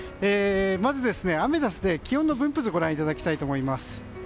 まず、アメダスで気温の分布図ご覧いただきたいと思います。